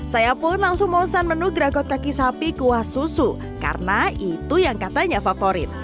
saya pun langsung memesan menu gragot kaki sapi kuah susu karena itu yang katanya favorit